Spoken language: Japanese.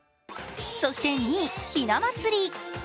そして２位、ひな祭り。